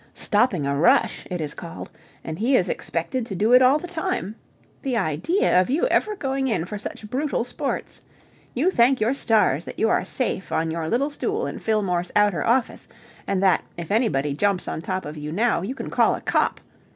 Stopping a rush, it is called, and he is expected to do it all the time. The idea of you ever going in for such brutal sports! You thank your stars that you are safe on your little stool in Fillmore's outer office, and that, if anybody jumps on top of you now, you can call a cop.